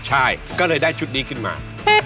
ใช่ก็เลยได้ชุดนี้ขึ้นมา